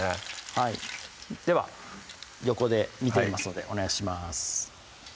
はいでは横で見ていますのでお願いします